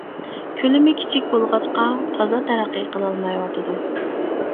كۆلىمى كىچىك بولغاچقا تازا تەرەققىي قىلالمايۋاتىدۇ.